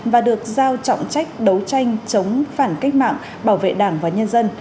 và được giao trọng trách đấu tranh chống phản cách mạng bảo vệ đảng và nhân dân